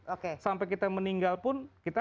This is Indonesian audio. oke sampai kita meninggal pun kita